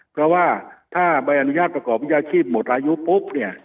เพราะว่าถ้าใบอนุญาตประกอบวิชาชีพหมดอายุปุ๊บเนี่ย